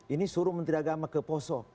ini suruh menteri agama ke poso